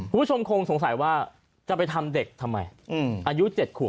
คุณผู้ชมคงสงสัยว่าจะไปทำเด็กทำไมอายุ๗ขวบ